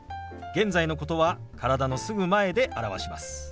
現在のことは体のすぐ前で表します。